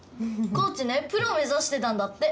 コーチプロ目指していたんだって。